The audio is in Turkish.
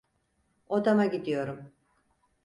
Odama gidiyorum.